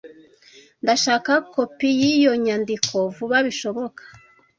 Ndashaka kopi yiyo nyandiko vuba bishoboka.